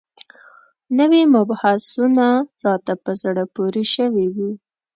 نوي مبحثونه راته په زړه پورې شوي وو.